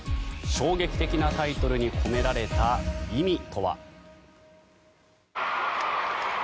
衝撃的なタイトルに込められた意味とは。